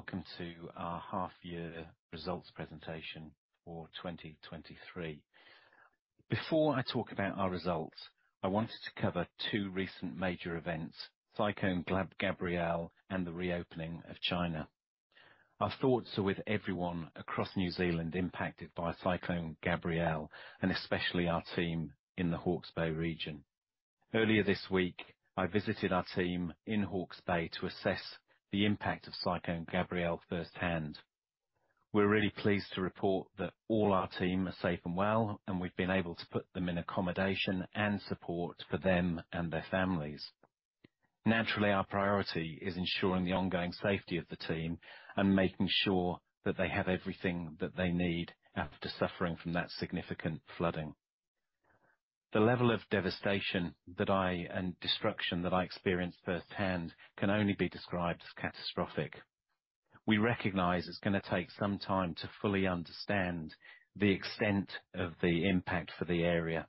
Good morning, ladies and gentlemen, fellow shareholders, and welcome to our half year results presentation for 2023. Before I talk about our results, I wanted to cover two recent major events, Cyclone Gabrielle and the reopening of China. Our thoughts are with everyone across New Zealand impacted by Cyclone Gabrielle, and especially our team in the Hawke's Bay region. Earlier this week, I visited our team in Hawke's Bay to assess the impact of Cyclone Gabrielle firsthand. We're really pleased to report that all our team are safe and well, and we've been able to put them in accommodation and support for them and their families. Naturally, our priority is ensuring the ongoing safety of the team and making sure that they have everything that they need after suffering from that significant flooding. The level of devastation and destruction that I experienced firsthand can only be described as catastrophic. We recognize it's gonna take some time to fully understand the extent of the impact for the area.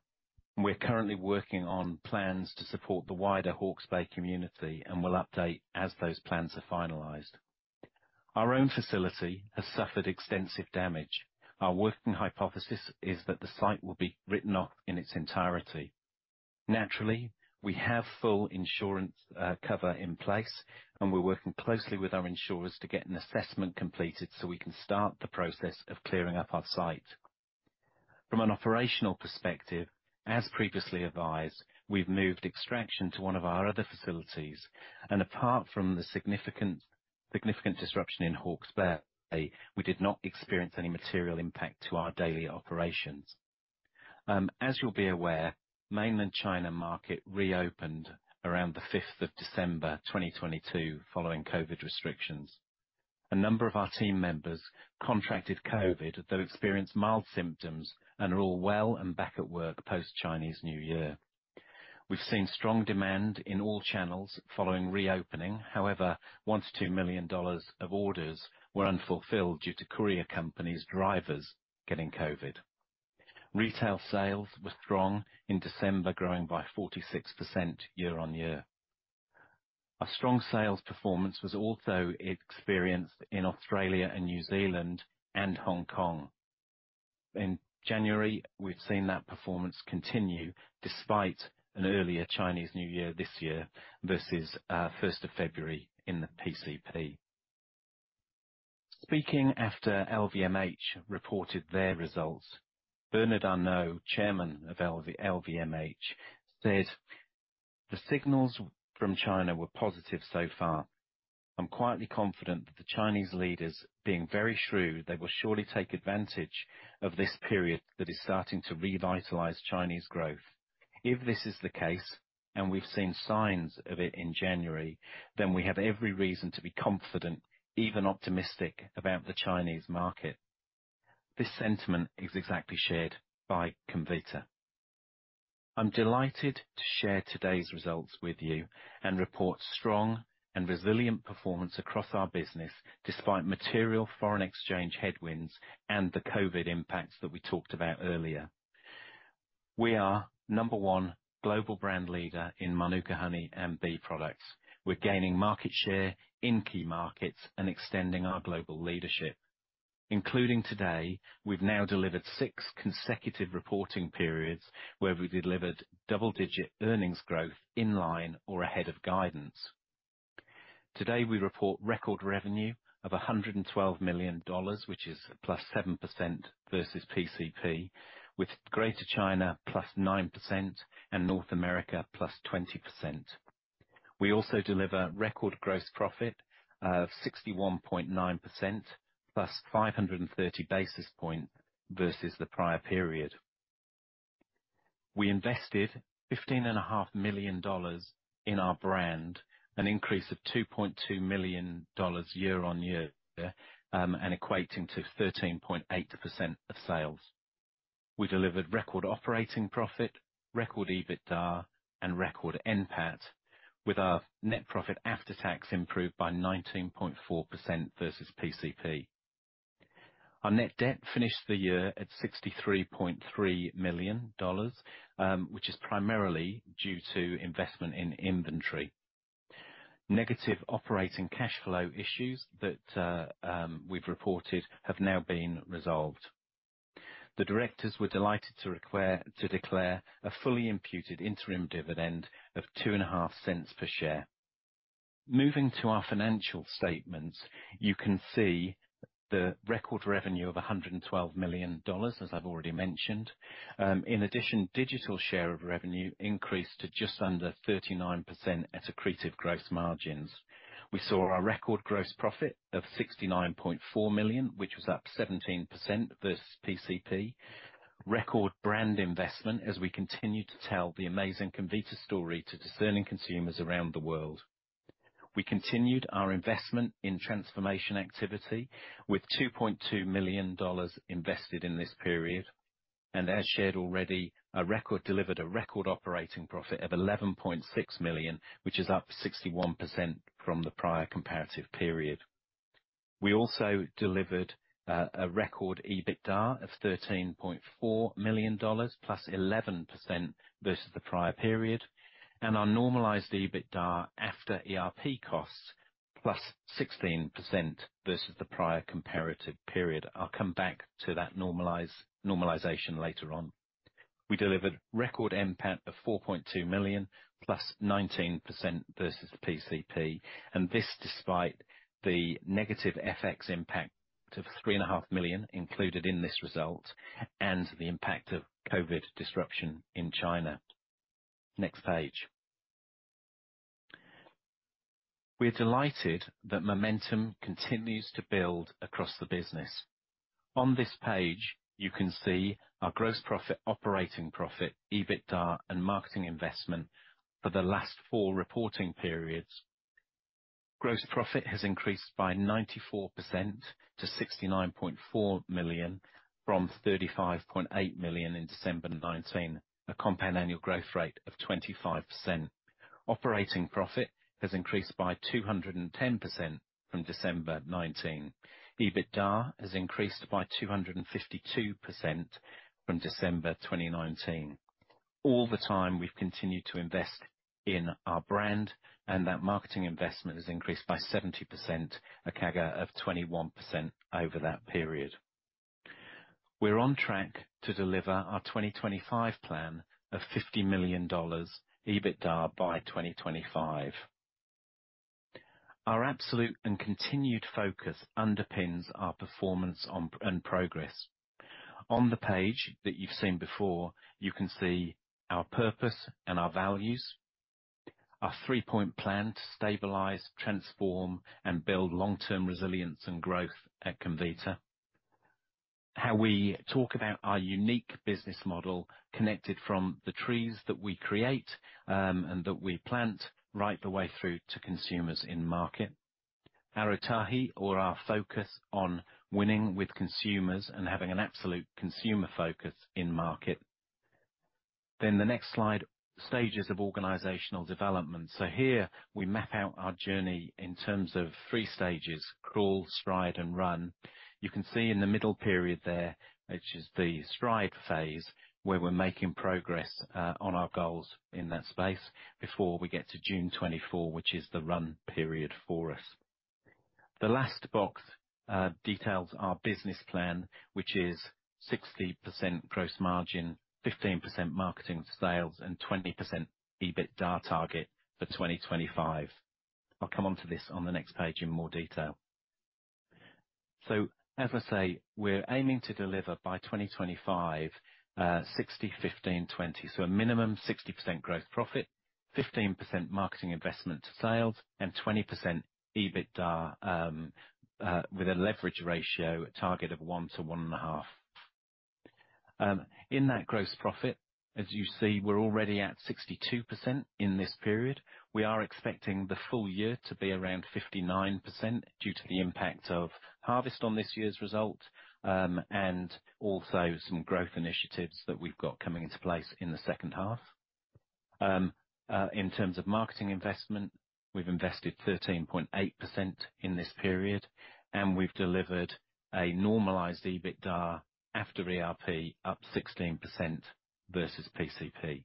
We're currently working on plans to support the wider Hawke's Bay community and will update as those plans are finalized. Our own facility has suffered extensive damage. Our working hypothesis is that the site will be written off in its entirety. Naturally, we have full insurance cover in place and we're working closely with our insurers to get an assessment completed so we can start the process of clearing up our site. From an operational perspective, as previously advised, we've moved extraction to one of our other facilities. Apart from the significant disruption in Hawke's Bay, we did not experience any material impact to our daily operations. As you'll be aware, Mainland China market reopened around the 5th of December 2022 following COVID restrictions. A number of our team members contracted COVID, though experienced mild symptoms and are all well and back at work post-Chinese New Year. We've seen strong demand in all channels following reopening. 1 million- 2 million dollars of orders were unfulfilled due to courier company's drivers getting COVID. Retail sales were strong in December, growing by 46% year-on-year. A strong sales performance was also experienced in Australia and New Zealand and Hong Kong. In January, we've seen that performance continue despite an earlier Chinese New Year this year versus 1st of February in the PCP. Speaking after LVMH reported their results, Bernard Arnault, Chairman of LVMH, says, "The signals from China were positive so far. I'm quietly confident that the Chinese leaders, being very shrewd, they will surely take advantage of this period that is starting to revitalize Chinese growth. If this is the case, we've seen signs of it in January, then we have every reason to be confident, even optimistic, about the Chinese market. This sentiment is exactly shared by Comvita. I'm delighted to share today's results with you and report strong and resilient performance across our business despite material foreign exchange headwinds and the COVID impacts that we talked about earlier. We are number one global brand leader in Mānuka honey and bee products. We're gaining market share in key markets and extending our global leadership. Including today, we've now delivered six consecutive reporting periods where we delivered double-digit earnings growth in line or ahead of guidance. Today, we report record revenue of 112 million dollars, which is +7% versus PCP, with Greater China +9% and North America +20%. We also deliver record gross profit of 61.9% +530 basis points versus the prior period. We invested 15.5 million dollars in our brand, an increase of 2.2 million dollars year-on-year, equating to 13.8% of sales. We delivered record operating profit, record EBITDA and record NPAT, with our net profit after tax improved by +19.4% versus PCP. Our net debt finished the year at 63.3 million dollars, which is primarily due to investment in inventory. Negative operating cash flow issues that we've reported have now been resolved. The directors were delighted to declare a fully imputed interim dividend of 0.025 per share. Moving to our financial statements, you can see the record revenue of 112 million dollars, as I've already mentioned. In addition, digital share of revenue increased to just under 39% at accretive gross margins. We saw a record gross profit of 69.4 million, which was up 17% versus PCP. Record brand investment as we continue to tell the amazing Comvita story to discerning consumers around the world. We continued our investment in transformation activity with 2.2 million dollars invested in this period. As shared already, delivered a record operating profit of 11.6 million, which is up 61% from the prior comparative period. We also delivered a record EBITDA of 13.4 million dollars, +11% versus the prior period. Our Normalized EBITDA after ERP costs, +16% versus the prior comparative period. I'll come back to that normalization later on. We delivered record NPAT of 4.2 million, +19% versus the PCP. This despite the negative FX impact of 3.5 million included in this result, and the impact of COVID disruption in China. Next page. We're delighted that momentum continues to build across the business. On this page, you can see our gross profit, operating profit, EBITDA, and marketing investment for the last four reporting periods. Gross profit has increased by 94% to 69.4 million from 35.8 million in December 2019, a compound annual growth rate of 25%. Operating profit has increased by 210% from December 2019. EBITDA has increased by 252% from December 2019. All the time we've continued to invest in our brand, and that marketing investment has increased by 70%, a CAGR of 21% over that period. We're on track to deliver our 2025 plan of 50 million dollars EBITDA by 2025. Our absolute and continued focus underpins our performance on and progress. On the page that you've seen before, you can see our purpose and our values. Our three-point plan to stabilize, transform, and build long-term resilience and growth at Comvita. How we talk about our unique business model connected from the trees that we create, and that we plant right the way through to consumers in market. Our Kotahi or our focus on winning with consumers and having an absolute consumer focus in market. The next slide, stages of organizational development. Here we map out our journey in terms of three stages, crawl, stride, and run. You can see in the middle period there, which is the stride phase, where we're making progress on our goals in that space before we get to June 2024, which is the run period for us. The last box details our business plan, which is 60% gross margin, 15% marketing to sales, and 20% EBITDA target for 2025. I'll come onto this on the next page in more detail. As I say, we're aiming to deliver by 2025, 60, 15, 20. A minimum 60% growth profit, 15% marketing investment to sales, and 20% EBITDA with a leverage ratio target of 1 to 1.5. In that gross profit, as you see, we're already at 62% in this period. We are expecting the full year to be around 59% due to the impact of harvest on this year's result, and also some growth initiatives that we've got coming into place in the second half. In terms of marketing investment, we've invested 13.8% in this period, and we've delivered a Normalized EBITDA after ERP up 16% versus PCP.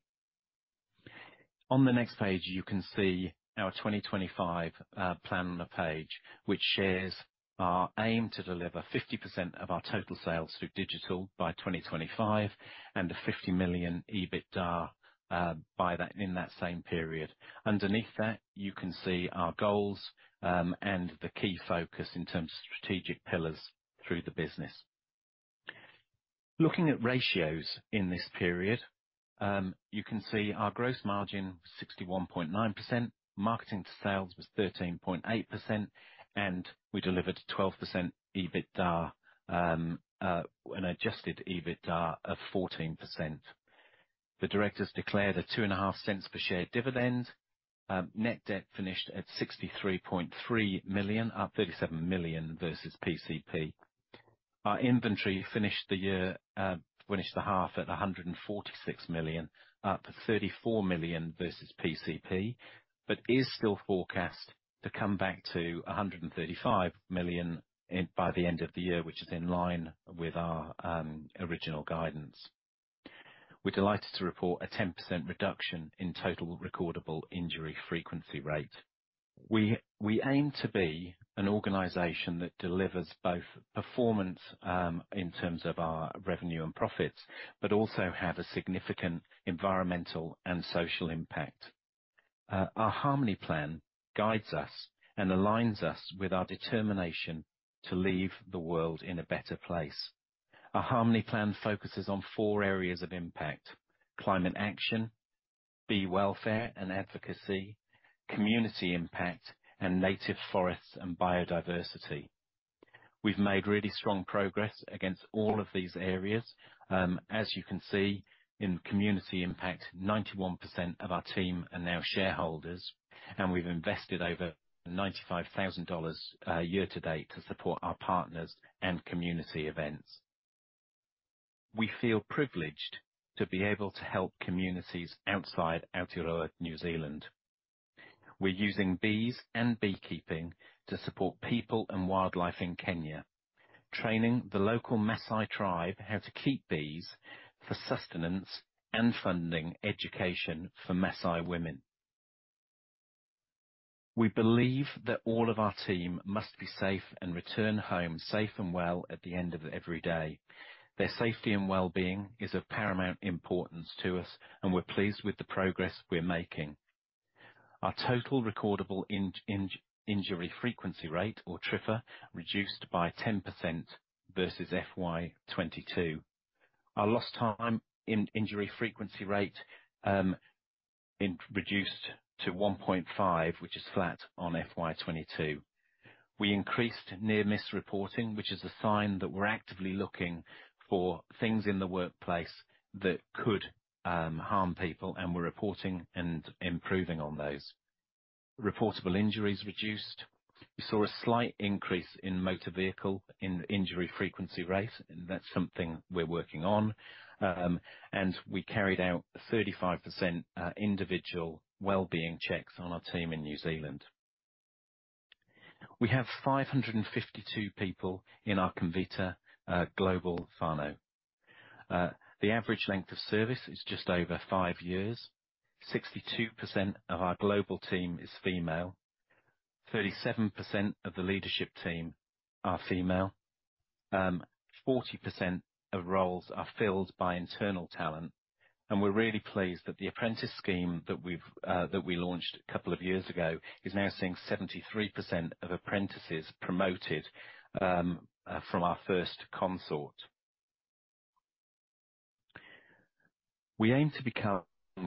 On the next page, you can see our 2025 plan on the page, which shares our aim to deliver 50% of our total sales through digital by 2025 and a 50 million EBITDA by that, in that same period. Underneath that, you can see our goals, and the key focus in terms of strategic pillars through the business. Looking at ratios in this period, you can see our gross margin, 61.9%, marketing to sales was 13.8%, and we delivered 12% EBITDA, an Adjusted EBITDA of 14%. The directors declared a 0.025 per share dividend. Net debt finished at 63.3 million, up 37 million versus PCP. Our inventory finished the year, finished the half at 146 million, up 34 million versus PCP, but is still forecast to come back to 135 million by the end of the year, which is in line with our original guidance. We're delighted to report a 10% reduction in total recordable injury frequency rate. We aim to be an organization that delivers both performance in terms of our revenue and profits, but also have a significant environmental and social impact. Our Harmony Plan guides us and aligns us with our determination to leave the world in a better place. Our Harmony Plan focuses on four areas of impact: climate action, bee welfare and advocacy, community impact, and native forests and biodiversity. We've made really strong progress against all of these areas. As you can see, in community impact, 91% of our team are now shareholders. We've invested over 95,000 dollars year-to-date to support our partners and community events. We feel privileged to be able to help communities outside Aotearoa, New Zealand. We're using bees and beekeeping to support people and wildlife in Kenya, training the local Maasai tribe how to keep bees for sustenance and funding education for Maasai women. We believe that all of our team must be safe and return home safe and well at the end of every day. Their safety and well-being is of paramount importance to us. We're pleased with the progress we're making. Our total recordable injury frequency rate, or TRIFR, reduced by 10% versus FY 2022. Our lost time in injury frequency rate reduced to 1.5, which is flat on FY 2022. We increased near-miss reporting, which is a sign that we're actively looking for things in the workplace that could harm people, and we're reporting and improving on those. Reportable injuries reduced. We saw a slight increase in motor vehicle injury frequency rate, and that's something we're working on. We carried out 35% individual well-being checks on our team in New Zealand. We have 552 people in our Comvita global whānau. The average length of service is just over five years. 62% of our global team is female. 37% of the leadership team are female. 40% of roles are filled by internal talent, and we're really pleased that the apprentice scheme that we've that we launched a couple of years ago is now seeing 73% of apprentices promoted from our first cohort. We aim to become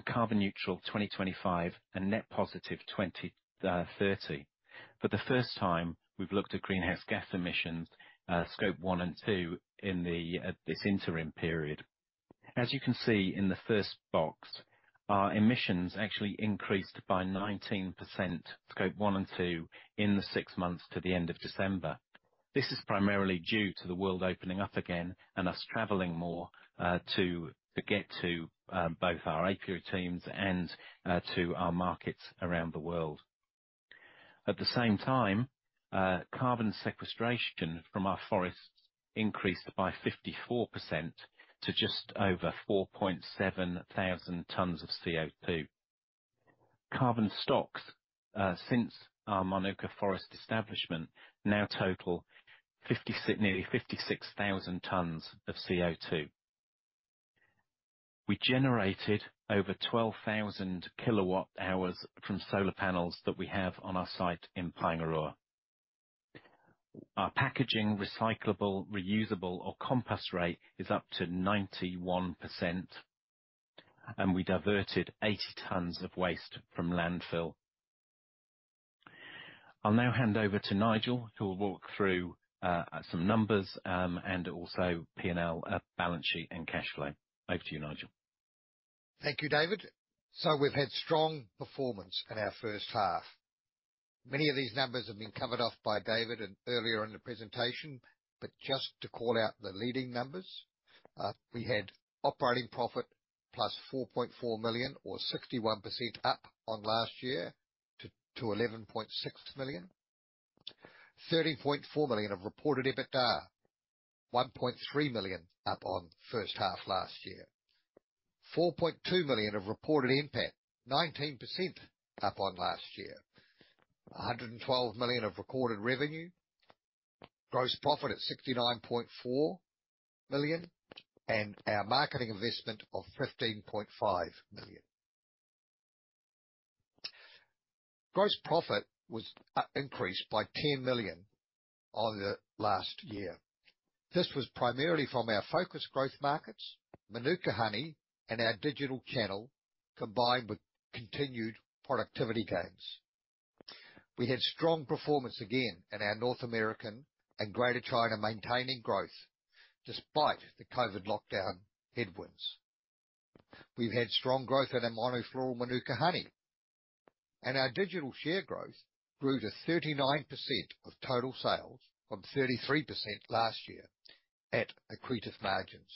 carbon neutral 2025 and net positive 2030. For the first time, we've looked at Greenhouse Gas emissions, Scope 1 and 2 in this interim period. As you can see in the first box, our emissions actually increased by 19%, Scope 1 and 2, in the six months to the end of December. This is primarily due to the world opening up again and us traveling more to get to both our apiary teams and to our markets around the world. At the same time, carbon sequestration from our forests increased by 54% to just over 4,700 tons of CO2. Carbon stocks, since our Mānuka forest establishment now total nearly 56,000 tons of CO2. We generated over 12,000 KWh from solar panels that we have on our site in Paengaroa. Our packaging recyclable, reusable or compost rate is up to 91%, and we diverted 80 tons of waste from landfill. I'll now hand over to Nigel, who will walk through some numbers, and also P&L, balance sheet and cash flow. Over to you, Nigel. Thank you, David. We've had strong performance in our first half. Many of these numbers have been covered off by David in earlier in the presentation. Just to call out the leading numbers, we had operating profit +4.4 million or 61% up on last year to 11.6 million. 30.4 million of reported EBITDA. 1.3 million up on first half last year. 4.2 million of reported NPAT, 19% up on last year. 112 million of recorded revenue. Gross profit at 69.4 million. Our marketing investment of 15.5 million. Gross profit was increased by 10 million on the last year. This was primarily from our focused growth markets, Mānuka honey and our digital channel combined with continued productivity gains. We had strong performance again in our North American and Greater China, maintaining growth despite the COVID lockdown headwinds. We've had strong growth in our monofloral Mānuka honey. Our digital share growth grew to 39% of total sales from 33% last year at accretive margins.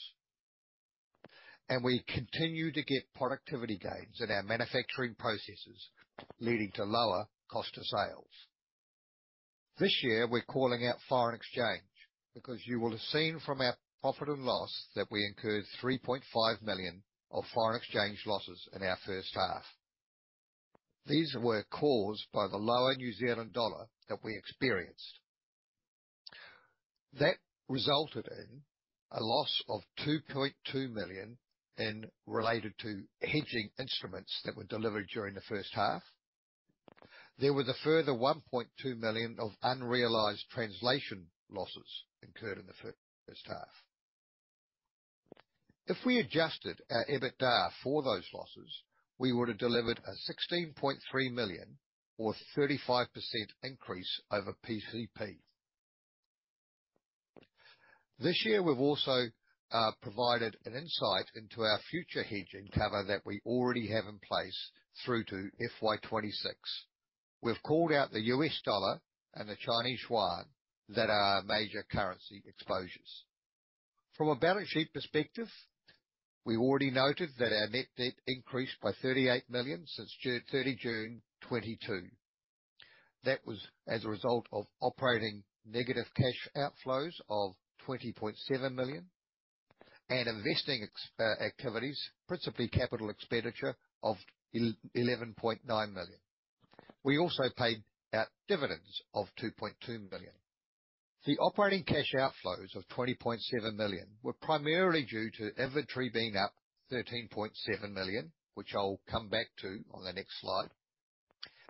We continue to get productivity gains in our manufacturing processes, leading to lower cost of sales. This year we're calling out foreign exchange because you will have seen from our profit and loss that we incurred 3.5 million of foreign exchange losses in our first half. These were caused by the lower New Zealand dollar that we experienced. That resulted in a loss of 2.2 million related to hedging instruments that were delivered during the first half. There was a further 1.2 million of unrealized translation losses incurred in the first half. If we adjusted our EBITDA for those losses, we would have delivered a 16.3 million or 35% increase over PCP. This year we've also provided an insight into our future hedging cover that we already have in place through to FY 2026. We've called out the US dollar and the Chinese yuan that are our major currency exposures. From a balance sheet perspective, we already noted that our net debt increased by 38 million since June 30, 2022. That was as a result of operating negative cash outflows of 20.7 million and investing activities, principally capital expenditure of 11.9 million. We also paid out dividends of 2.2 million. The operating cash outflows of 20.7 million were primarily due to inventory being up 13.7 million, which I'll come back to on the next slide.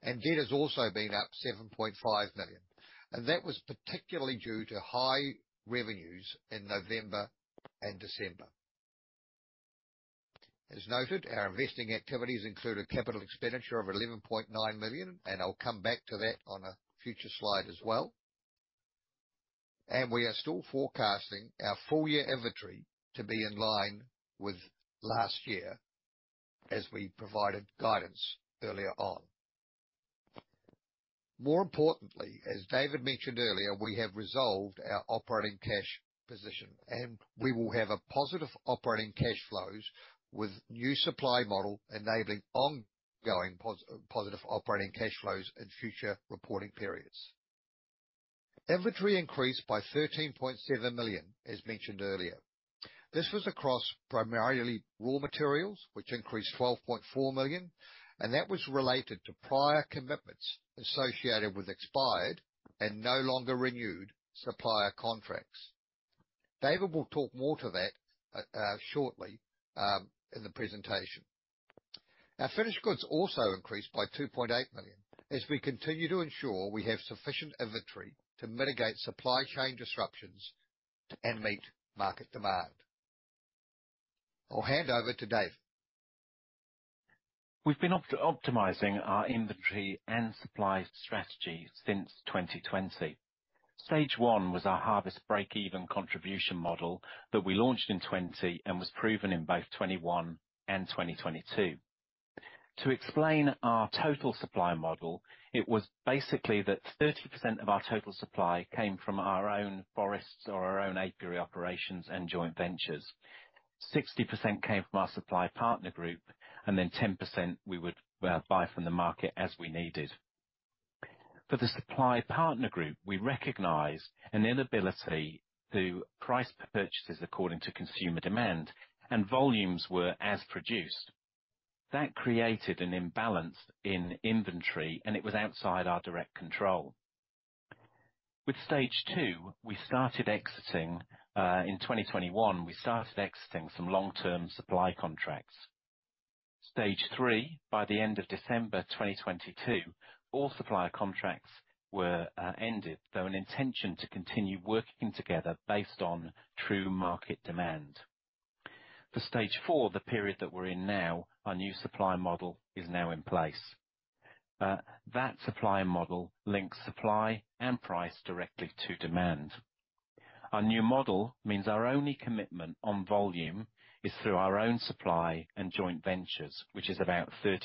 Debt has also been up 7.5 million, and that was particularly due to high revenues in November and December. As noted, our investing activities include a capital expenditure of 11.9 million, and I'll come back to that on a future slide as well. We are still forecasting our full year inventory to be in line with last year as we provided guidance earlier on. More importantly, as David mentioned earlier, we have resolved our operating cash position, and we will have a positive operating cash flows with new supply model enabling ongoing positive operating cash flows in future reporting periods. Inventory increased by 13.7 million as mentioned earlier. This was across primarily raw materials, which increased 12.4 million, and that was related to prior commitments associated with expired and no longer renewed supplier contracts. David will talk more to that shortly in the presentation. Our finished goods also increased by 2.8 million as we continue to ensure we have sufficient inventory to mitigate supply chain disruptions and meet market demand. I'll hand over to David. We've been optimizing our inventory and supply strategy since 2020. Stage 1 was our harvest break-even contribution model that we launched in 2020 and was proven in both 2021 and 2022. To explain our total supply model, it was basically that 30% of our total supply came from our own forests or our own apiary operations and joint ventures. 60% came from our supply partner group and then 10% we would buy from the market as we needed. For the supply partner group, we recognized an inability to price purchases according to consumer demand and volumes were as produced. That created an imbalance in inventory and it was outside our direct control. With Stage 2, in 2021, we started exiting some long-term supply contracts. Stage 3, by the end of December 2022, all supplier contracts were ended, though an intention to continue working together based on true market demand. Stage 4, the period that we're in now, our new supply model is now in place. That supply model links supply and price directly to demand. Our new model means our only commitment on volume is through our own supply and joint ventures, which is about 30%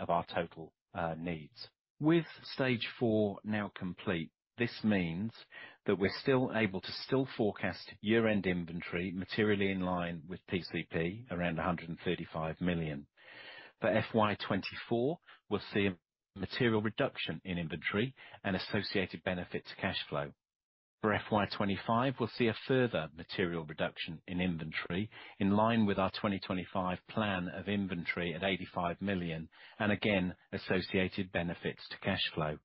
of our total needs. With Stage 4 now complete, this means that we're still able to forecast year-end inventory materially in line with PCP around 135 million. FY 2024, we'll see a material reduction in inventory and associated benefit to cash flow. For FY 2025, we'll see a further material reduction in inventory in line with our 2025 plan of inventory at 85 million and again, associated benefits to cash flow.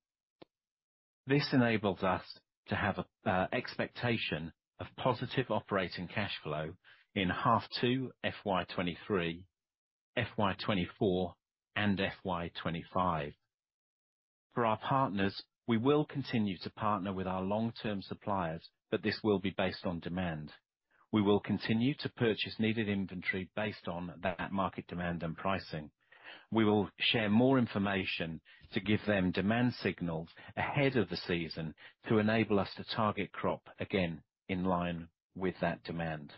This enables us to have an expectation of positive operating cash flow in half two FY 2023, FY 2024 and FY 2025. For our partners, we will continue to partner with our long-term suppliers, but this will be based on demand. We will continue to purchase needed inventory based on that market demand and pricing. We will share more information to give them demand signals ahead of the season to enable us to target crop again in line with that demand.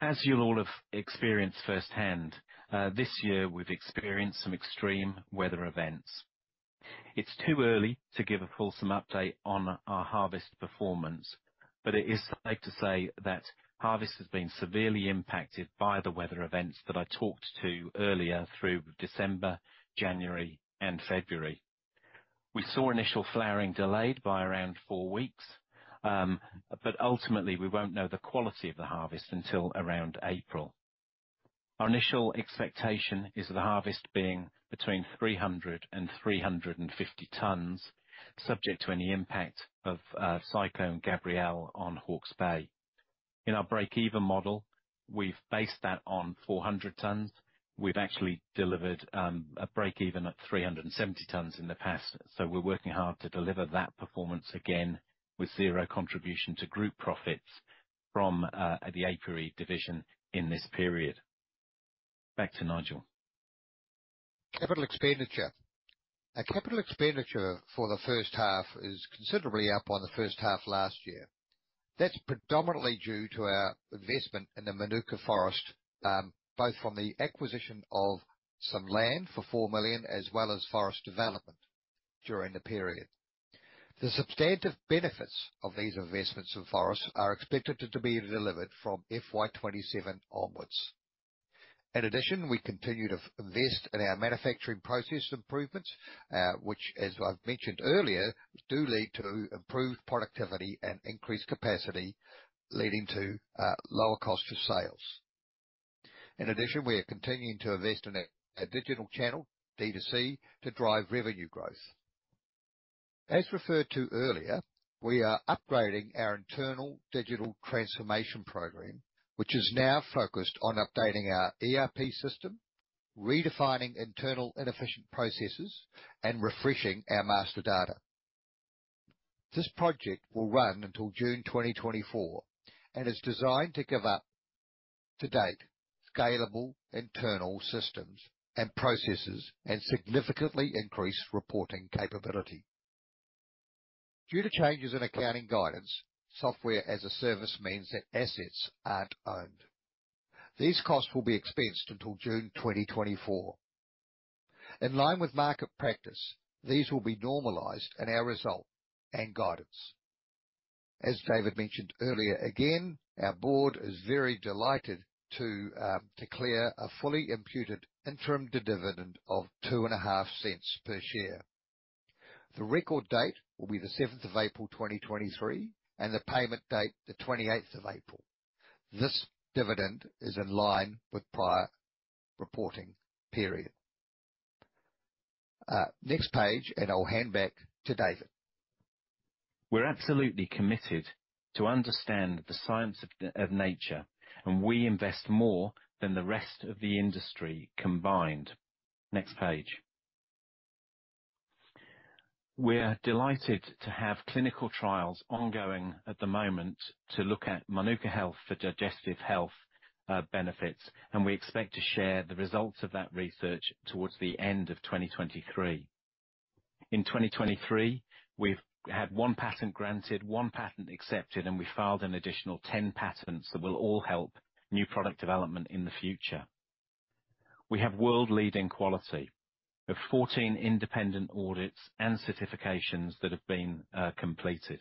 As you'll all have experienced firsthand, this year we've experienced some extreme weather events. It's too early to give a fulsome update on our harvest performance. It is safe to say that harvest has been severely impacted by the weather events that I talked to earlier through December, January and February. We saw initial flowering delayed by around four weeks. Ultimately, we won't know the quality of the harvest until around April. Our initial expectation is the harvest being between 300-350 tons, subject to any impact of Cyclone Gabrielle on Hawke's Bay. In our break-even model, we've based that on 400 tons. We've actually delivered a break even at 370 tons in the past. We're working hard to deliver that performance again with zero contribution to group profits from the apiary division in this period. Back to Nigel. Capital expenditure. Our capital expenditure for the first half is considerably up on the first half last year. That's predominantly due to our investment in the Mānuka forest, both from the acquisition of some land for 4 million as well as forest development during the period. The substantive benefits of these investments in forest are expected to be delivered from FY 2027 onwards. In addition, we continue to invest in our manufacturing process improvements, which as I've mentioned earlier, do lead to improved productivity and increased capacity, leading to lower cost of sales. In addition, we are continuing to invest in our digital channel, D2C, to drive revenue growth. As referred to earlier, we are upgrading our internal digital transformation program, which is now focused on updating our ERP system, redefining internal inefficient processes, and refreshing our master data. This project will run until June 2024 and is designed to give up to date scalable internal systems and processes and significantly increase reporting capability. Due to changes in accounting guidance, software as a service means that assets aren't owned. These costs will be expensed until June 2024. In line with market practice, these will be normalized in our result and guidance. As David mentioned earlier again, our board is very delighted to declare a fully imputed interim dividend of 0.025 per share. The record date will be April 7, 2023, and the payment date 28th of April. This dividend is in line with prior reporting period. Next page. I'll hand back to David. We're absolutely committed to understand the science of nature, and we invest more than the rest of the industry combined. Next page. We're delighted to have clinical trials ongoing at the moment to look at Mānuka health for digestive health benefits, and we expect to share the results of that research towards the end of 2023. In 2023, we've had one patent granted, one patent accepted, and we filed an additional 10 patents that will all help new product development in the future. We have world-leading quality. We have 14 independent audits and certifications that have been completed.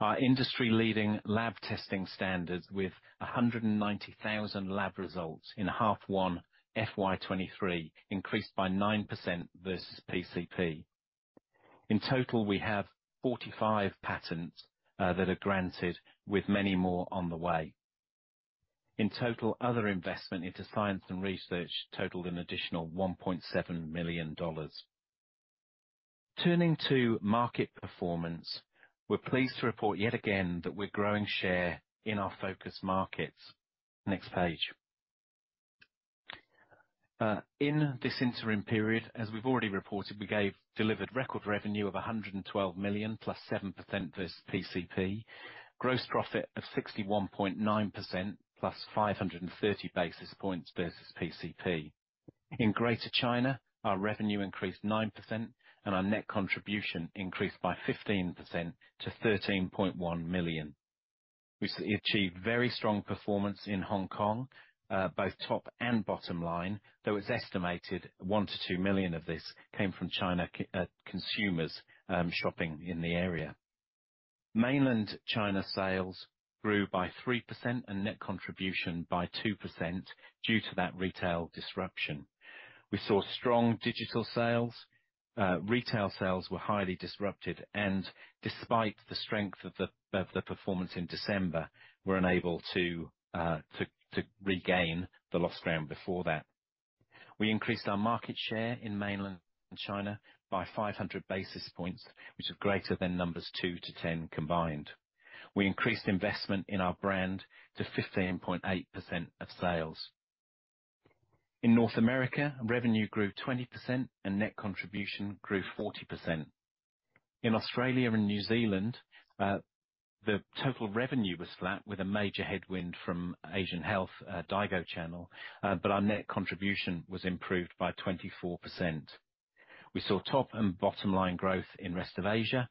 Our industry-leading lab testing standards with 190,000 lab results in H1 FY 2023 increased by 9% versus PCP. In total, we have 45 patents that are granted with many more on the way. In total, other investment into science and research totaled an additional 1.7 million dollars. Turning to market performance, we're pleased to report yet again that we're growing share in our focus markets. Next page. In this interim period, as we've already reported, we delivered record revenue of 112 million +7% versus PCP. Gross profit of 61.9%, +530 basis points versus PCP. In Greater China, our revenue increased 9% and our net contribution increased by 15% to 13.1 million. We've achieved very strong performance in Hong Kong, both top and bottom line, though it's estimated 1 million-2 million of this came from China consumers shopping in the area. Mainland China sales grew by 3% and net contribution by 2% due to that retail disruption. We saw strong digital sales. Retail sales were highly disrupted and despite the strength of the performance in December, were unable to regain the lost ground before that. We increased our market share in mainland China by 500 basis points, which are greater than numbers two to 10 combined. We increased investment in our brand to 15.8% of sales. In North America, revenue grew 20% and net contribution grew 40%. In Australia and New Zealand, the total revenue was flat, with a major headwind from Asian Health daigou channel, but our net contribution was improved by 24%. We saw top and bottom line growth in rest of Asia.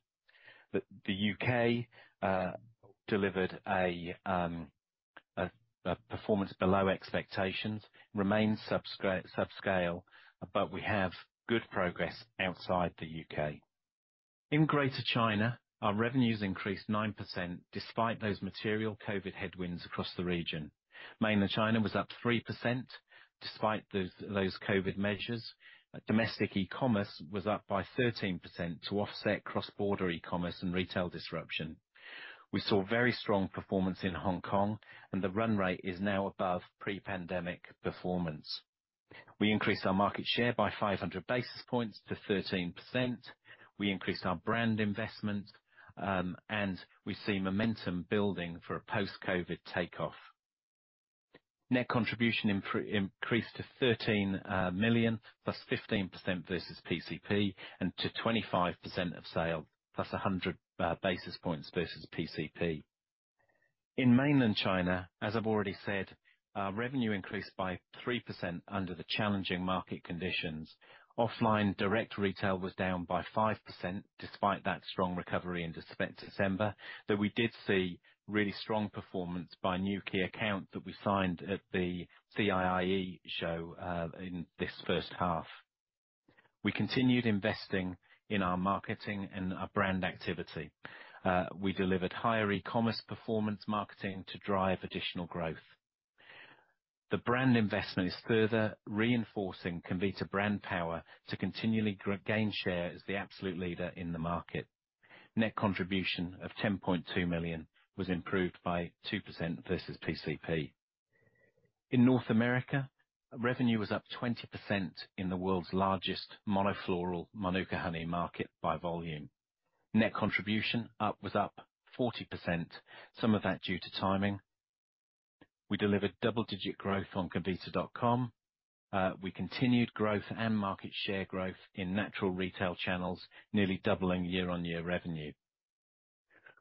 The U.K. delivered a performance below expectations. Remains subscale, but we have good progress outside the U.K.. In Greater China, our revenues increased 9% despite those material COVID headwinds across the region. Mainland China was up 3% despite those COVID measures. Domestic e-commerce was up by 13% to offset cross-border e-commerce and retail disruption. We saw very strong performance in Hong Kong and the run rate is now above pre-pandemic performance. We increased our market share by 500 basis points to 13%. We increased our brand investment, and we see momentum building for a post-COVID takeoff. Net contribution increased to 13 million plus 15% versus PCP and to 25% of sale, plus 100 basis points versus PCP. In Mainland China, as I've already said, our revenue increased by 3% under the challenging market conditions. Offline direct retail was down by 5% despite that strong recovery in December. Though we did see really strong performance by new key account that we signed at the CIIE show in this first half. We continued investing in our marketing and our brand activity. We delivered higher e-commerce performance marketing to drive additional growth. The brand investment is further reinforcing Comvita brand power to continually gain share as the absolute leader in the market. Net contribution of 10.2 million was improved by 2% versus PCP. In North America, revenue was up 20% in the world's largest monofloral Mānuka honey market by volume. Net contribution was up 40%, some of that due to timing. We delivered double-digit growth on comvita.com. We continued growth and market share growth in natural retail channels, nearly doubling year-on-year revenue.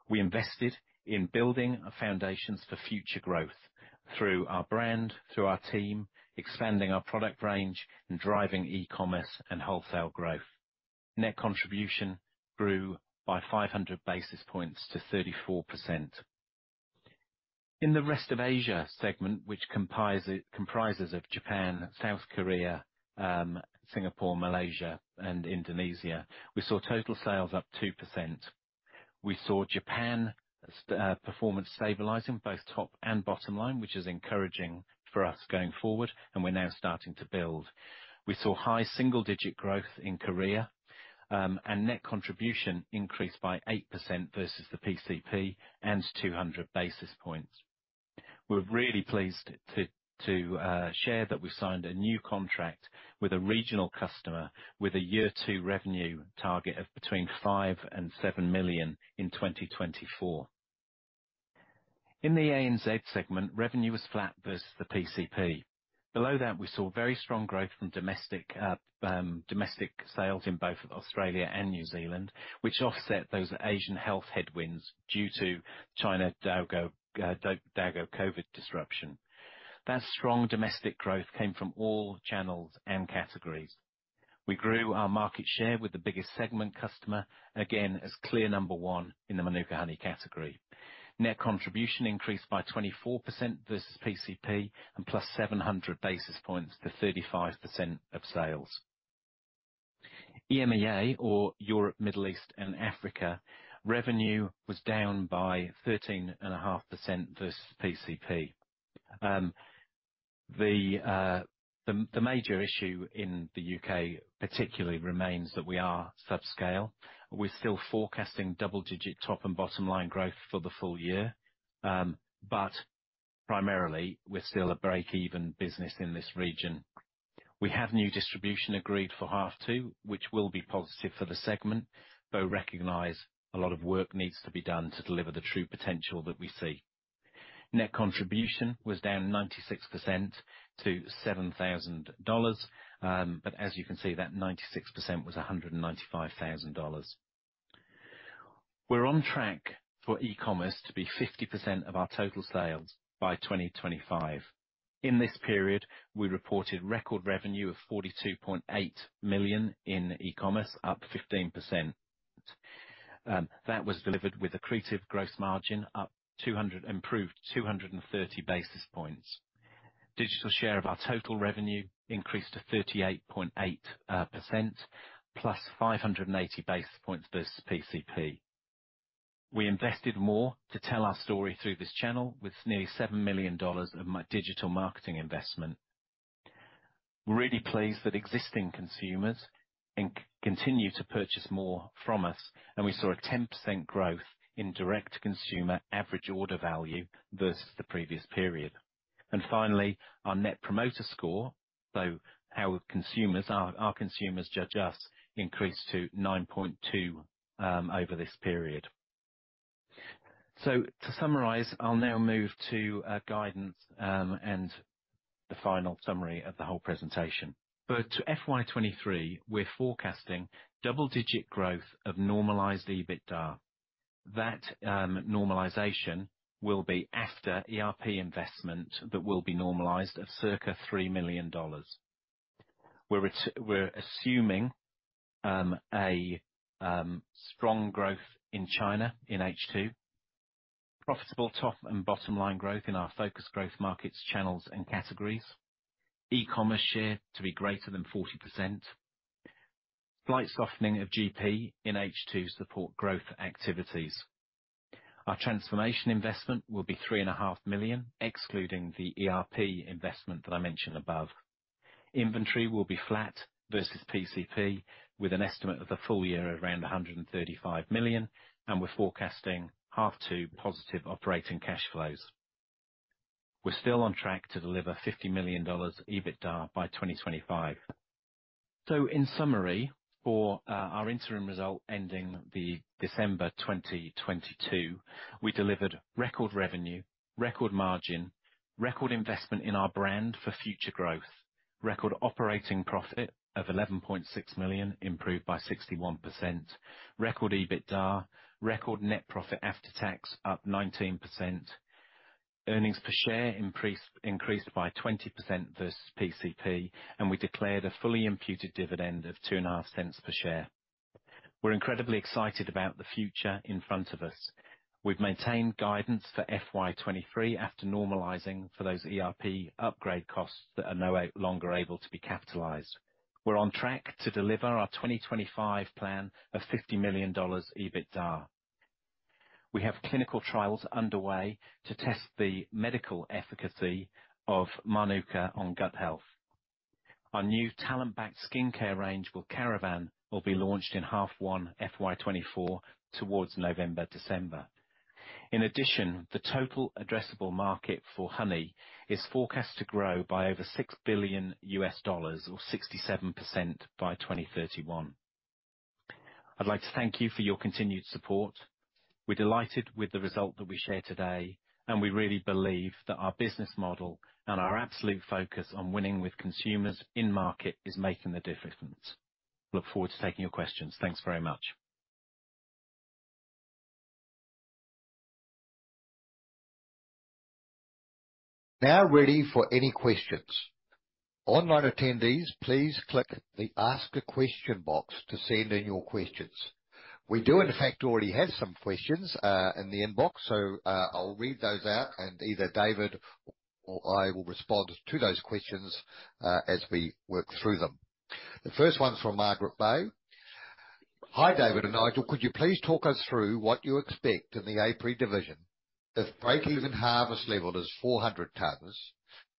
We invested in building foundations for future growth through our brand, through our team, expanding our product range, and driving e-commerce and wholesale growth. Net contribution grew by 500 basis points to 34%. In the rest of Asia segment, which comprises of Japan, South Korea, Singapore, Malaysia and Indonesia, we saw total sales up 2%. We saw Japan performance stabilizing both top and bottom line, which is encouraging for us going forward, and we're now starting to build. We saw high single-digit growth in Korea, and net contribution increased by 8% versus the PCP and 200 basis points. We're really pleased to share that we signed a new contract with a regional customer with a year two revenue target of between 5 million and 7 million in 2024. In the ANZ segment, revenue was flat versus the PCP. Below that, we saw very strong growth from domestic domestic sales in both Australia and New Zealand, which offset those Asian health headwinds due to China daigou COVID disruption. That strong domestic growth came from all channels and categories. We grew our market share with the biggest segment customer, again as clear number one in the Mānuka honey category. Net contribution increased by 24% versus PCP and +700 basis points to 35% of sales. EMEA or Europe, Middle East and Africa, revenue was down by 13.5% versus PCP. The major issue in the UK particularly remains that we are subscale. We're still forecasting double-digit top and bottom line growth for the full year, but primarily we're still a break-even business in this region. We have new distribution agreed for half two, which will be positive for the segment, though recognize a lot of work needs to be done to deliver the true potential that we see. Net contribution was down 96% to 7,000 dollars. As you can see, that 96% was 195,000 dollars. We're on track for e-commerce to be 50% of our total sales by 2025. In this period, we reported record revenue of 42.8 million in e-commerce, up 15%. That was delivered with accretive gross margin up 230 basis points. Digital share of our total revenue increased to 38.8% plus 580 basis points versus PCP. We invested more to tell our story through this channel with nearly 7 million dollars of digital marketing investment. Really pleased that existing consumers continue to purchase more from us, and we saw a 10% growth in direct-to-consumer average order value versus the previous period. Finally, our Net Promoter Score, so how consumers, our consumers judge us, increased to 9.2 over this period. To summarize, I'll now move to guidance and the final summary of the whole presentation. To FY 2023, we're forecasting double-digit growth of Normalized EBITDA. That normalization will be after ERP investment that will be normalized of circa 3 million dollars. We're assuming strong growth in China in H2. Profitable top and bottom line growth in our focus growth markets, channels and categories. E-commerce share to be greater than 40%. Slight softening of GP in H2 support growth activities. Our transformation investment will be 3.5 million, excluding the ERP investment that I mentioned above. Inventory will be flat versus PCP with an estimate of the full year of around 135 million and we're forecasting half to positive operating cash flows. We're still on track to deliver 50 million dollars EBITDA by 2025. In summary, for our interim result ending December 2022, we delivered record revenue, record margin, record investment in our brand for future growth. Record operating profit of 11.6 million, improved by 61%. Record EBITDA. Record net profit after tax up 19%. Earnings per share increased by 20% versus PCP, and we declared a fully imputed dividend of 0.025 per share. We're incredibly excited about the future in front of us. We've maintained guidance for FY 2023 after normalizing for those ERP upgrade costs that are no longer able to be capitalized. We're on track to deliver our 2025 plan of 50 million dollars EBITDA. We have clinical trials underway to test the medical efficacy of Mānuka on gut health. Our new talent backed skincare range called Caravan will be launched in half one FY 2024 towards November, December. In addition, the total addressable market for honey is forecast to grow by over $6 billion or 67% by 2031. I'd like to thank you for your continued support. We're delighted with the result that we share today, and we really believe that our business model and our absolute focus on winning with consumers in market is making the difference. Look forward to taking your questions. Thanks very much. Now ready for any questions. Online attendees, please click the Ask a Question box to send in your questions. We do in fact, already have some questions in the inbox. I'll read those out and either David or I will respond to those questions as we work through them. The first one's from Margaret Bei. Hi, David and Nigel. Could you please talk us through what you expect in the Apiary division if break-even harvest level is 400 tons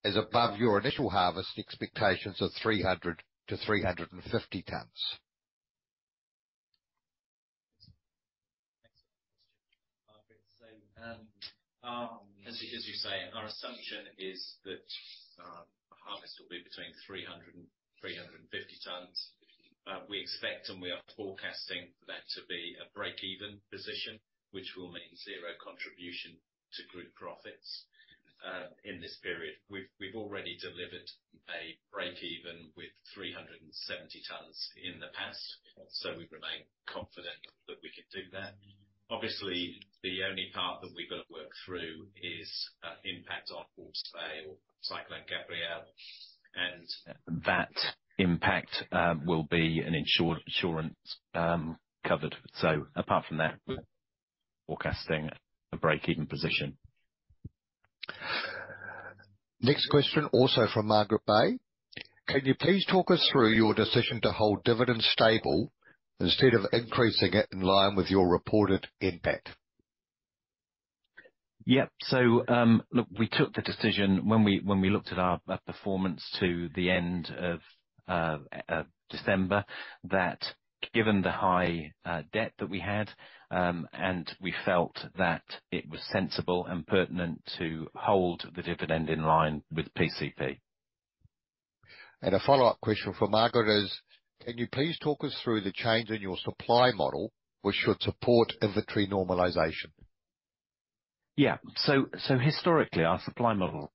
is above your initial harvest expectations of 300 tonnes-350 tonnes? Excellent question, Margaret. As you say, our assumption is that harvest will be between 300 and 350 tonnes. We expect, and we are forecasting that to be a break-even position, which will mean zero contribution to group profits in this period. We've already delivered a break-even with 370 tonnes in the past, we remain confident that we can do that. Obviously, the only part that we've got to work through is impact on Hawke's Bay or Cyclone Gabrielle. That impact, will be an insured insurance, covered. Apart from that, we're forecasting a break-even position. Next question, also from Margaret Bei. Can you please talk us through your decision to hold dividends stable instead of increasing it in line with your reported NPAT? Look, we took the decision when we, when we looked at our performance to the end of December, that given the high debt that we had. We felt that it was sensible and pertinent to hold the dividend in line with PCP. A follow-up question from Margaret is, can you please talk us through the change in your supply model, which should support inventory normalization? Yeah. historically, our supply model-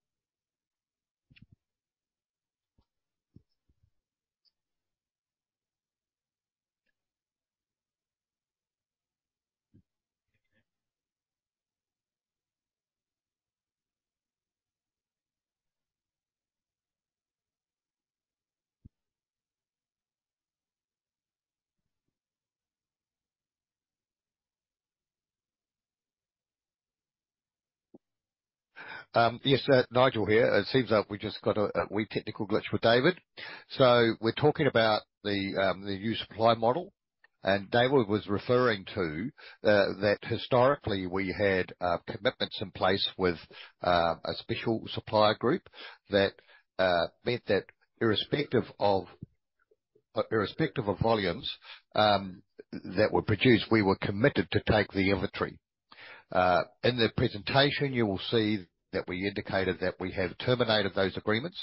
Yes, Nigel here, it seems that we just got a wee technical glitch with David. We're talking about the new supply model, and David was referring to that historically we had commitments in place with a special supplier group that meant that irrespective of volumes that were produced, we were committed to take the inventory. In the presentation, you will see that we indicated that we have terminated those agreements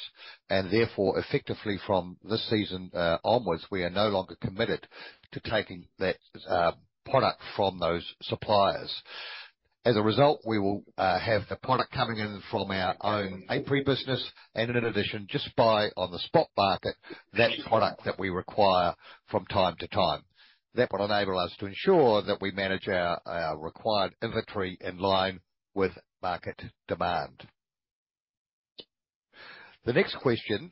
and therefore effectively from this season onwards, we are no longer committed to taking that product from those suppliers. As a result, we will have the product coming in from our own Apiary business and in addition, just buy on the spot market that product that we require from time to time. That will enable us to ensure that we manage our required inventory in line with market demand. The next question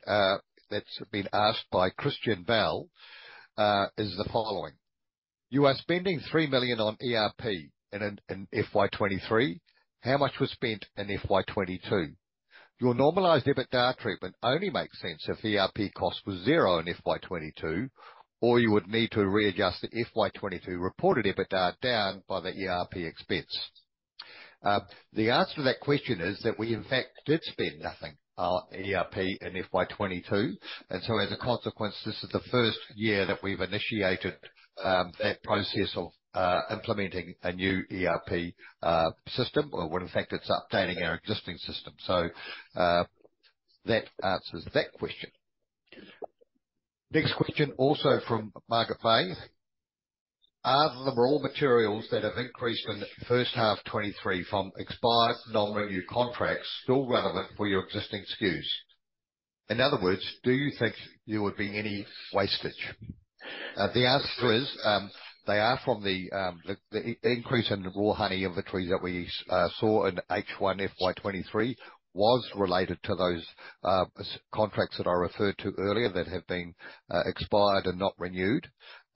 that's been asked by Christian Bell is the following: You are spending 3 million on ERP in FY 2023. How much was spent in FY 2022? Your Normalized EBITDA treatment only makes sense if the ERP cost was zero in FY 2022, or you would need to readjust the FY 2022 reported EBITDA down by the ERP expense. The answer to that question is that we in fact did spend nothing on ERP in FY 2022, As a consequence, this is the first year that we've initiated that process of implementing a new ERP system or when in fact it's updating our existing system. That answers that question. Next question, also from Margaret Bei. Are the raw materials that have increased in the first half 2023 from expired non-renew contracts still relevant for your existing SKUs? In other words, do you think there would be any wastage? The answer is, they are from the increase in raw honey inventories that we saw in H1 FY 2023 was related to those contracts that I referred to earlier that have been expired and not renewed.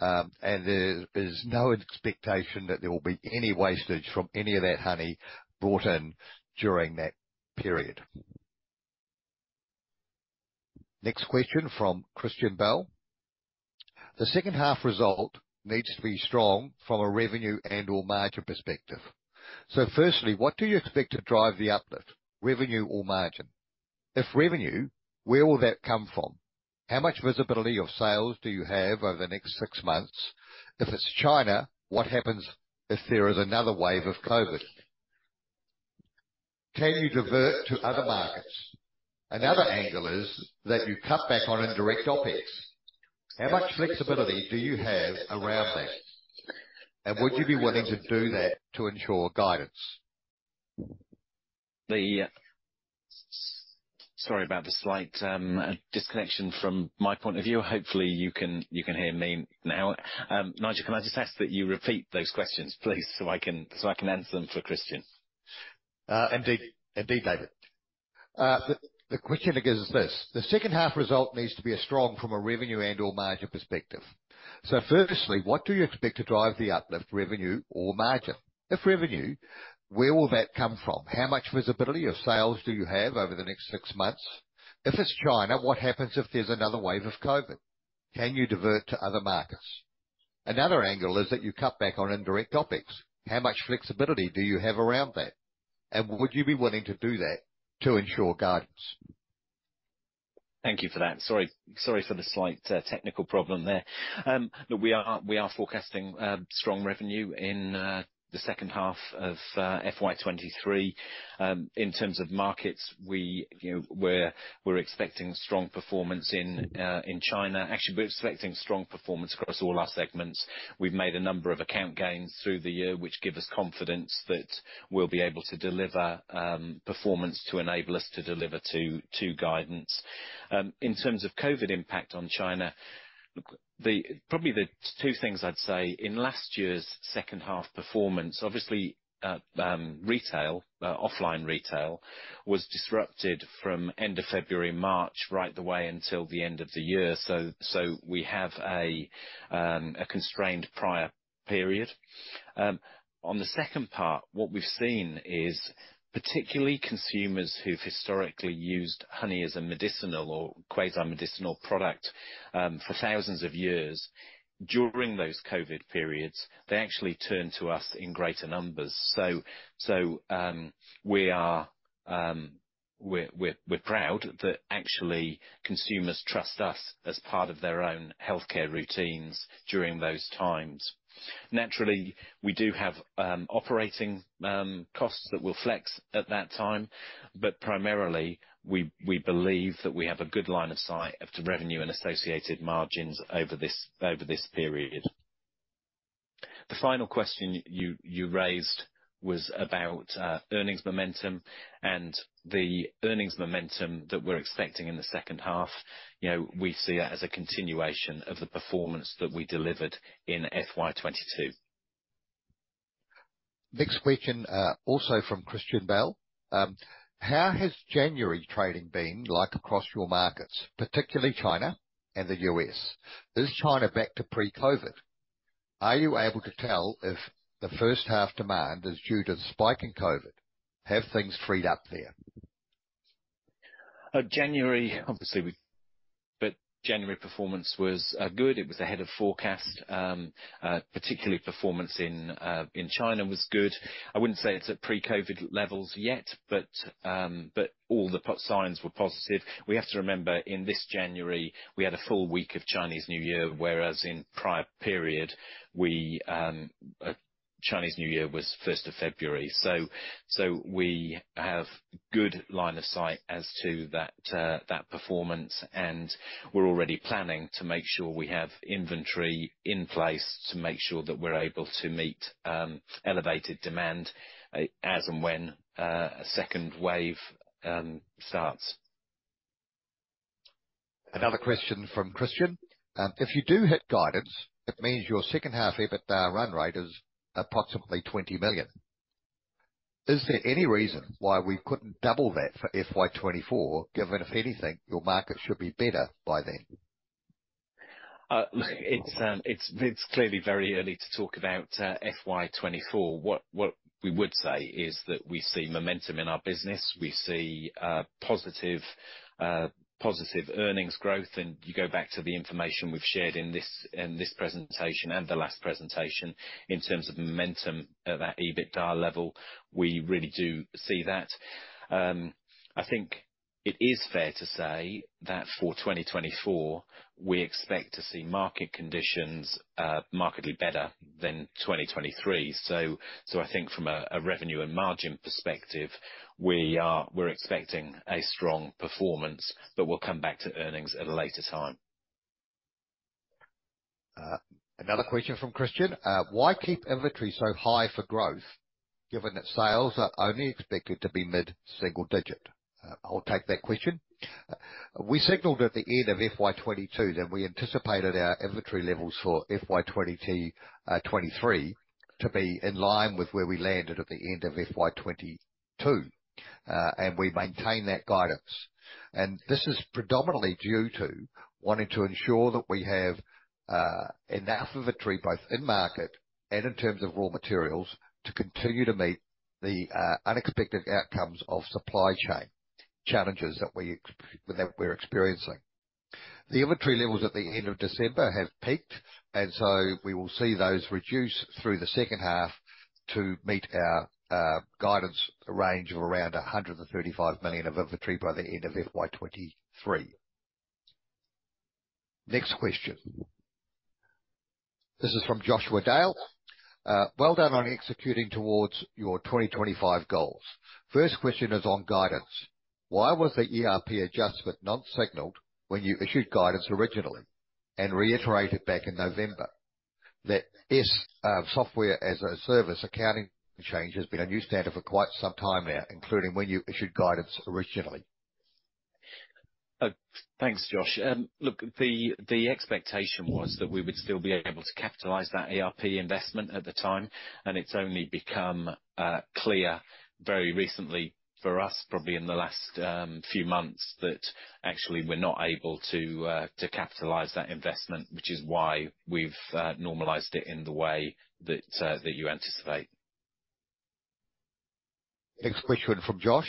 There is no expectation that there will be any wastage from any of that honey brought in during that period. Next question from Christian Bell. The second half result needs to be strong from a revenue and/or margin perspective. Firstly, what do you expect to drive the uplift, revenue or margin? If revenue, where will that come from? How much visibility of sales do you have over the next six months? If it's China, what happens if there is another wave of COVID? Can you divert to other markets? Another angle is that you cut back on indirect OpEx. How much flexibility do you have around that, and would you be willing to do that to ensure guidance? Sorry about the slight disconnection from my point of view. Hopefully you can hear me now. Nigel, can I just ask that you repeat those questions, please, so I can answer them for Christian? Indeed. Indeed, David. The question, again, is this: the second half result needs to be a strong from a revenue and/or margin perspective. Firstly, what do you expect to drive the uplift, revenue or margin? If revenue, where will that come from? How much visibility of sales do you have over the next six months? If it's China, what happens if there's another wave of COVID? Can you divert to other markets? Another angle is that you cut back on indirect OpEx. How much flexibility do you have around that, and would you be willing to do that to ensure guidance? Thank you for that. Sorry for the slight technical problem there. Look, we are forecasting strong revenue in the second half of FY 2023. In terms of markets, we, you know, we're expecting strong performance in China. Actually, we're expecting strong performance across all our segments. We've made a number of account gains through the year, which give us confidence that we'll be able to deliver performance to enable us to deliver to guidance. In terms of COVID impact on China, look, probably the two things I'd say, in last year's second half performance, obviously, retail, offline retail was disrupted from end of February, March, right the way until the end of the year. We have a constrained prior period. On the second part, what we've seen is, particularly consumers who've historically used honey as a medicinal or quasi-medicinal product, for thousands of years, during those COVID periods, they actually turned to us in greater numbers. We are, we're proud that actually consumers trust us as part of their own healthcare routines during those times. Naturally, we do have operating costs that will flex at that time, but primarily we believe that we have a good line of sight of the revenue and associated margins over this, over this period. The final question you raised was about earnings momentum, and the earnings momentum that we're expecting in the second half, you know, we see it as a continuation of the performance that we delivered in FY 2022. Next question, also from Christian Bell. How has January trading been like across your markets, particularly China and the U.S.? Is China back to pre-COVID? Are you able to tell if the first half demand is due to the spike in COVID? Have things freed up there? January performance was good. It was ahead of forecast. Particularly performance in China was good. I wouldn't say it's at pre-COVID levels yet, but all the signs were positive. We have to remember, in this January, we had a full week of Chinese New Year, whereas in prior period, we Chinese New Year was 1st of February. We have good line of sight as to that performance, and we're already planning to make sure we have inventory in place to make sure that we're able to meet elevated demand as and when a second wave starts. Another question from Christian. If you do hit guidance, it means your second half EBITDA run-rate is approximately 20 million. Is there any reason why we couldn't double that for FY 2024, given, if anything, your market should be better by then? Look, it's clearly very early to talk about FY 2024. What we would say is that we see momentum in our business. We see positive earnings growth, and you go back to the information we've shared in this presentation and the last presentation, in terms of momentum at that EBITDA level, we really do see that. I think it is fair to say that for 2024, we expect to see market conditions markedly better than 2023. I think from a revenue and margin perspective, we're expecting a strong performance, but we'll come back to earnings at a later time. Another question from Christian. Why keep inventory so high for growth given that sales are only expected to be mid-single digit? I'll take that question. We signaled at the end of FY 2022 that we anticipated our inventory levels for FY 2023 to be in line with where we landed at the end of FY 2022. We maintain that guidance. This is predominantly due to wanting to ensure that we have enough inventory, both in market and in terms of raw materials, to continue to meet the unexpected outcomes of supply chain challenges that we're experiencing. The inventory levels at the end of December have peaked. We will see those reduce through the second half to meet our guidance range of around 135 million of inventory by the end of FY 2023. Next question. This is from Joshua Dale. Well done on executing towards your 2025 goals. First question is on guidance. Why was the ERP adjustment not signaled when you issued guidance originally and reiterated back in November that this software-as-a-service accounting change has been a new standard for quite some time now, including when you issued guidance originally? Thanks, Josh. Look, the expectation was that we would still be able to capitalize that ERP investment at the time, and it's only become clear very recently for us, probably in the last few months, that actually we're not able to capitalize that investment, which is why we've normalized it in the way that you anticipate. Next question from Josh.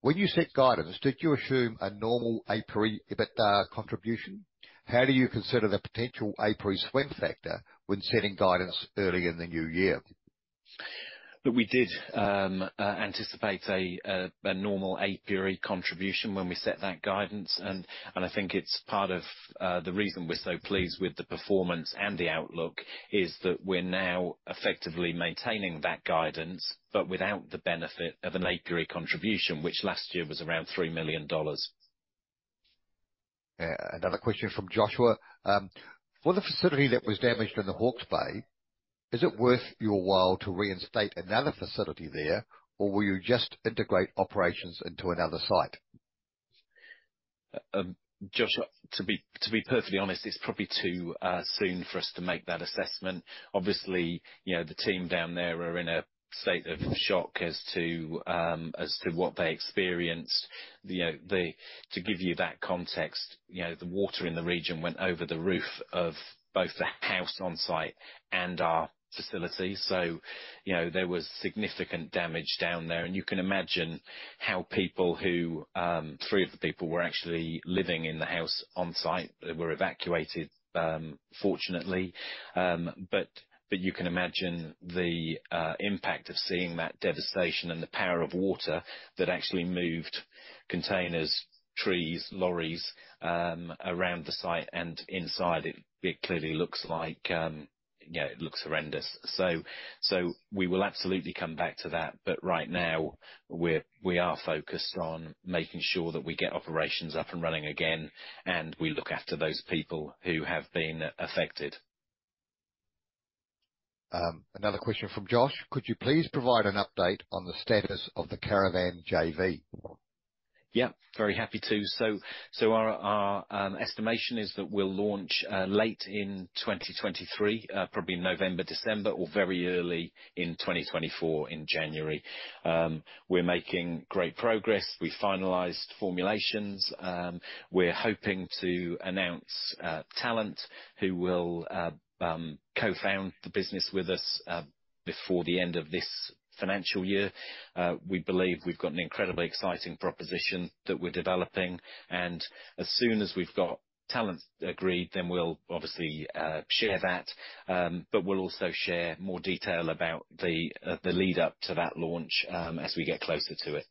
When you set guidance, did you assume a normal apiary EBITDA contribution? How do you consider the potential apiary swing factor when setting guidance early in the new year? Look, we did anticipate a normal apiary contribution when we set that guidance. I think it's part of the reason we're so pleased with the performance and the outlook is that we're now effectively maintaining that guidance, but without the benefit of an apiary contribution, which last year was around 3 million dollars. Another question from Joshua. For the facility that was damaged in Hawke's Bay, is it worth your while to reinstate another facility there, or will you just integrate operations into another site? Joshua, to be perfectly honest, it's probably too soon for us to make that assessment. Obviously, you know, the team down there are in a state of shock as to what they experienced. You know, to give you that context, you know, the water in the region went over the roof of both the house on site and our facility. You know, there was significant damage down there. You can imagine how people who, three of the people were actually living in the house on site. They were evacuated, fortunately. You can imagine the impact of seeing that devastation and the power of water that actually moved containers, trees, lorries around the site and inside it. It clearly looks like, you know, it looks horrendous. We will absolutely come back to that. Right now, we are focused on making sure that we get operations up and running again, and we look after those people who have been affected. Another question from Josh. Could you please provide an update on the status of the Caravan JV? Very happy to. Our estimation is that we'll launch late in 2023, probably November, December or very early in 2024, in January. We're making great progress. We finalized formulations. We're hoping to announce talent who will co-found the business with us before the end of this financial year. We believe we've got an incredibly exciting proposition that we're developing. As soon as we've got talent agreed, then we'll obviously share that. We'll also share more detail about the lead up to that launch as we get closer to it.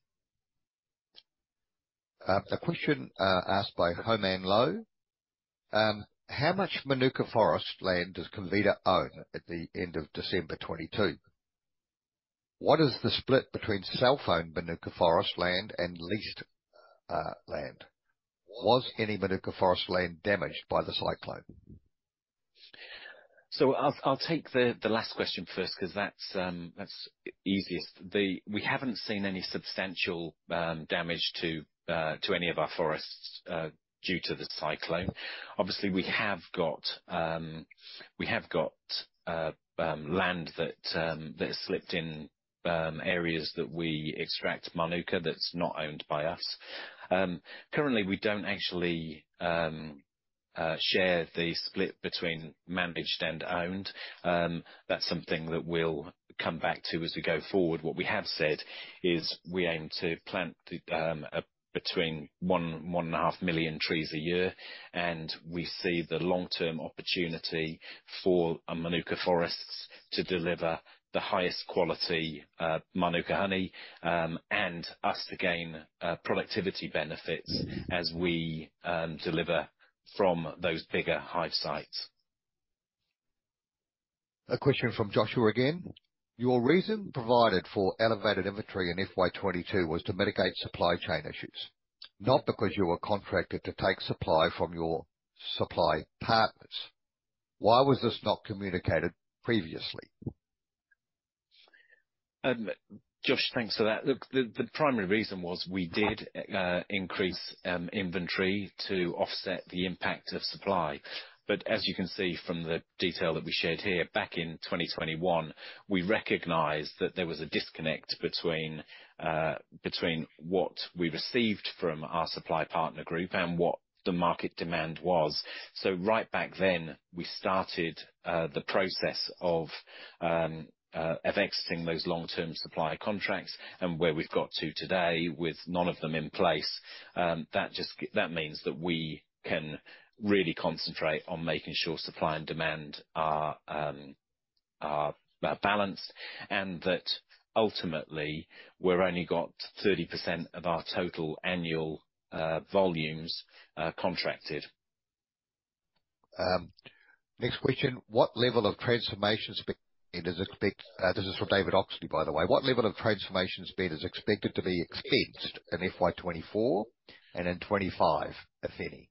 A question asked by Ho Man Lo. How much Mānuka forest land does Comvita own at the end of December 22? What is the split between self-owned Mānuka forest land and leased land? Was any Mānuka forest land damaged by the cyclone? I'll take the last question first, 'cause that's easiest. We haven't seen any substantial damage to any of our forests due to the cyclone. Obviously, we have got land that has slipped in areas that we extract Mānuka that's not owned by us. Currently, we don't actually share the split between managed and owned. That's something that we'll come back to as we go forward. What we have said is we aim to plant between 1.5 million trees a year. We see the long-term opportunity for our Mānuka forests to deliver the highest quality Mānuka honey and us to gain productivity benefits- Mm-hmm as we deliver from those bigger hive sites. A question from Joshua again. Your reason provided for elevated inventory in FY 2022 was to mitigate supply chain issues, not because you were contracted to take supply from your supply partners. Why was this not communicated previously? Josh, thanks for that. Look, the primary reason was we did increase inventory to offset the impact of supply. As you can see from the detail that we shared here, back in 2021, we recognized that there was a disconnect between what we received from our supply partner group and what the market demand was. Right back then, we started the process of exiting those long-term supply contracts and where we've got to today with none of them in place. That means that we can really concentrate on making sure supply and demand are balanced and that ultimately we've only got 30% of our total annual volumes contracted. Next question. This is from David Oxley by the way. What level of transformation spend is expected to be expensed in FY 2024 and in 2025, if any?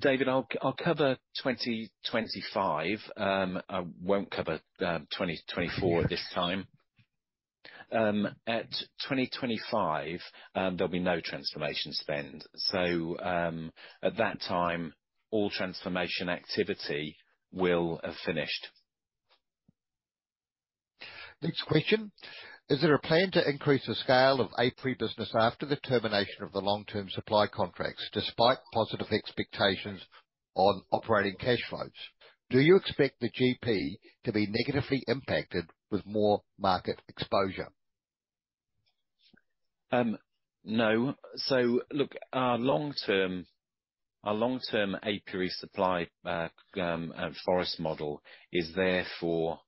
David, I'll cover 2025. I won't cover 2024 this time. At 2025, there'll be no transformation spend. At that time, all transformation activity will have finished. Next question: Is there a plan to increase the scale of apiary business after the termination of the long-term supply contracts despite positive expectations on operating cash flows? Do you expect the GP to be negatively impacted with more market exposure? No. Look, our long-term apiary supply forest model is therefore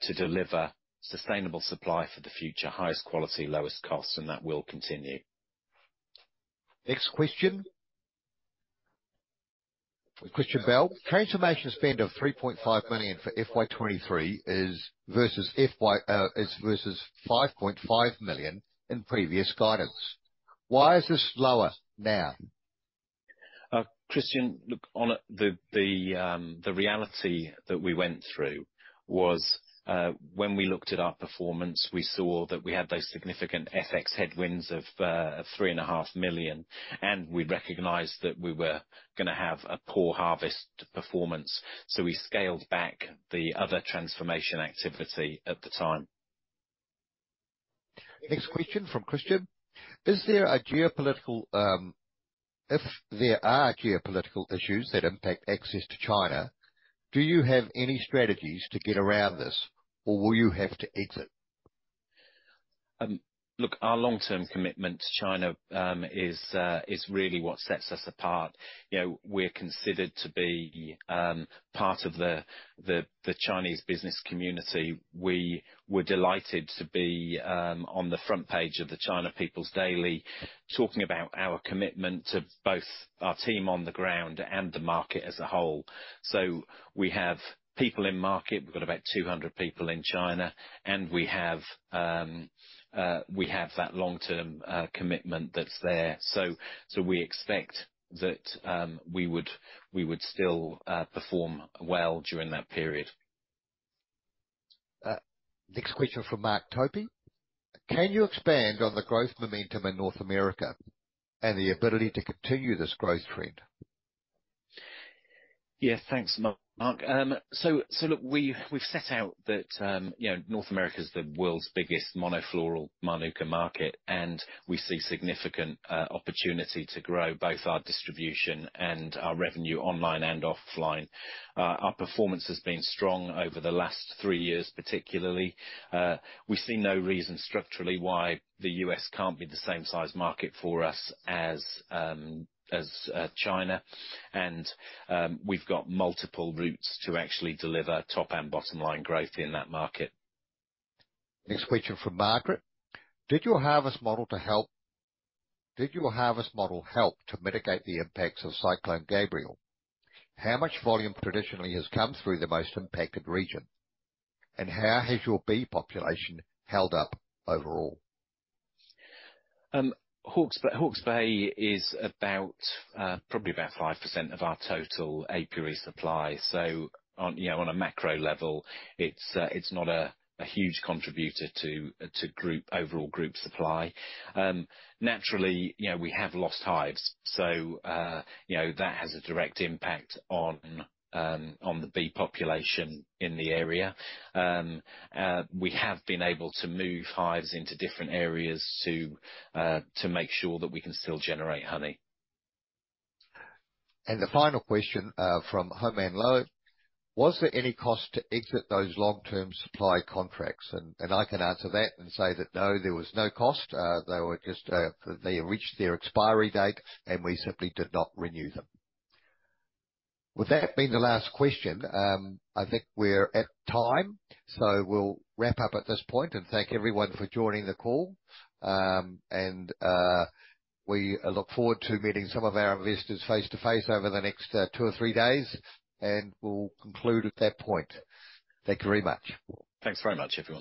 to deliver sustainable supply for the future, highest quality, lowest cost, and that will continue. Next question. Transformation spend of 3.5 million for FY 2023 is versus 5.5 million in previous guidance. Why is this lower now? Christian, look, the reality that we went through was when we looked at our performance, we saw that we had those significant FX headwinds of 3.5 million, and we recognized that we were gonna have a poor harvest performance, so we scaled back the other transformation activity at the time. Next question from Christian: If there are geopolitical issues that impact access to China, do you have any strategies to get around this, or will you have to exit? Look, our long-term commitment to China is really what sets us apart. You know, we're considered to be part of the Chinese business community. We were delighted to be on the front page of the China People's Daily talking about our commitment to both our team on the ground and the market as a whole. We have people in market. We've got about 200 people in China, and we have that long-term commitment that's there. We expect that we would still perform well during that period. Next question from Mark Toby. Can you expand on the growth momentum in North America and the ability to continue this growth trend? Yeah. Thanks, Mark. So look, we've set out that, you know, North America is the world's biggest monofloral Mānuka market. We see significant opportunity to grow both our distribution and our revenue online and offline. Our performance has been strong over the last three years particularly. We see no reason structurally why the U.S. can't be the same size market for us as China. We've got multiple routes to actually deliver top and bottom line growth in that market. Next question from Margaret Bae: Did your harvest model help to mitigate the impacts of Cyclone Gabrielle? How much volume traditionally has come through the most impacted region? How has your bee population held up overall? Hawke's Bay is about probably about 5% of our total apiary supply. On, you know, on a macro level, it's not a huge contributor to overall group supply. Naturally, you know, we have lost hives, so, you know, that has a direct impact on the bee population in the area. We have been able to move hives into different areas to make sure that we can still generate honey. The final question from Ho Man Lo: Was there any cost to exit those long-term supply contracts? I can answer that and say that no, there was no cost. They were just they reached their expiry date, we simply did not renew them. With that being the last question, I think we're at time. We'll wrap up at this point and thank everyone for joining the call. We look forward to meeting some of our investors face-to-face over the next two or three days, we'll conclude at that point. Thank you very much. Thanks very much, everyone.